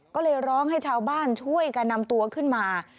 ก็เลยร้องให้ชาวบ้านช่วยกันนำตัวขึ้นมา